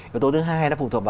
yếu tố thứ hai là phụ thuộc vào